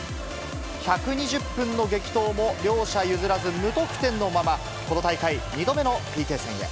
１２０分の激闘も両者譲らず、無得点のまま、この大会、２度目のＰＫ戦へ。